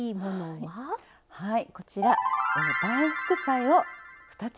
はい。